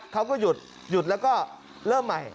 เขาก็หยุดหยุดแล้วก็เริ่มใหม่